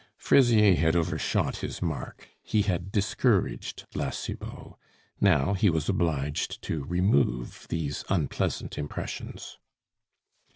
Fraisier had overshot his mark. He had discouraged La Cibot. Now he was obliged to remove these unpleasant impressions.